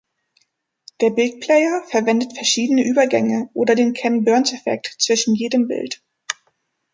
Der Bildplayer verwendet verschiedene Übergänge oder den Ken Burns-Effekt zwischen jedem Bild.